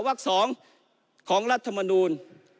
วัก๒ของรัฐมนูล